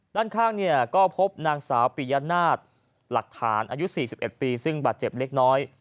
ด้านข้างเนี่ยก็พบนางสาวปียนาฏหลักฐานอายุ๔๑ปีซึ่งบาดเจ็บเล็กน้อย